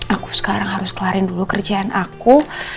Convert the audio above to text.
aku sekarang harus telarin dulu kerjaan aku